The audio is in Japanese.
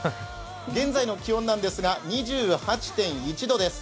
現在の気温なんですが２８．１度です。